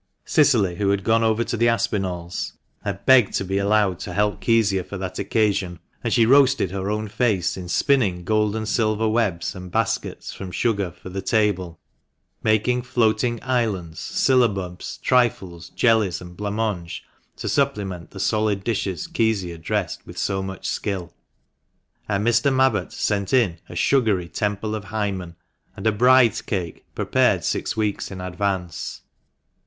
Cicily, who had gone over to the Aspinalls, had begged to be allowed to help Kezia for that occasion, and she roasted her own face in spinning gold and silver webs and baskets from sugar for the table, making "floating islands," syllabubs, trifles, jellies, and blanc mange to supplement the solid dishes Kezia dressed with so much skill. And Mr. Mabbott sent in a sugary "Temple of Hymen" and a bride's cake prepared six weeks in advance.